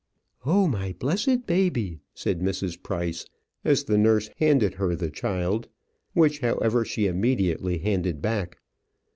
"Oh, my blessed baby!" said Mrs. Price, as the nurse handed her the child which, however, she immediately handed back.